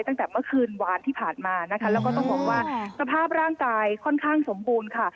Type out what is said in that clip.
ตั้งแต่เมื่อคืนวานที่ผ่านมานะคะแล้วก็ต้องบอกว่าสภาพร่างกายค่อนข้างสมบูรณ์ค่ะ